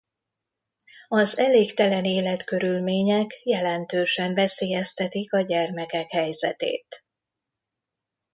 Az elégtelen életkörülmények jelentősen veszélyeztetik a gyermekek helyzetét.